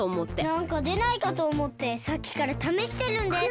なんかでないかとおもってさっきからためしてるんです。